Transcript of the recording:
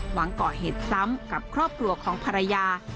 หวังก่อเหตุซ้ำกับครอบครัวของภรรยา